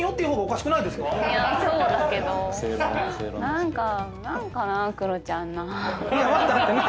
何か何かなクロちゃんな。